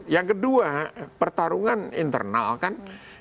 yang kedua pertarungan internal kan